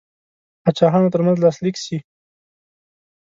پاچاهانو ترمنځ لاسلیک سي.